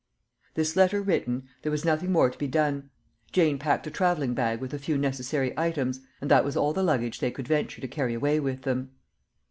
This letter written, there was nothing more to be done. Jane packed a travelling bag with a few necessary items, and that was all the luggage they could venture to carry away with them.